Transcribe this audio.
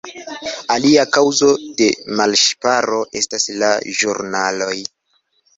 Alia kaŭzo de malŝparo estas la ĵurnaloj.